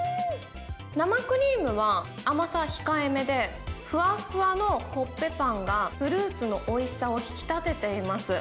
生クリームは、甘さ控えめで、ふわっふわのコッペパンが、フルーツのおいしさを引き立てています。